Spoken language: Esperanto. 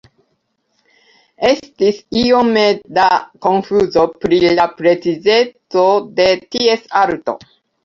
Estis iome da konfuzo pri la precizeco de ties alto.